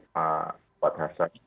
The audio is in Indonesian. pak wad hassan